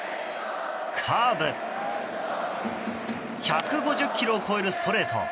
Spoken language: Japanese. カーブ１５０キロを超えるストレート。